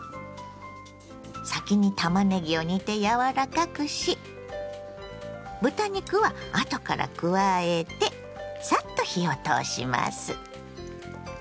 先にたまねぎを煮て柔らかくし豚肉は後から加えてサッと火を通します。